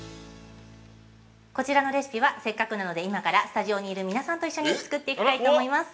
◆こちらのレシピは、せっかくなので、今からスタジオにいる皆さんと一緒に作っていきたいと思います。